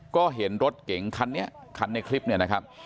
ก็เห็นรถเก๋งคันนี้คันในคลิปเนี่ยนะครับ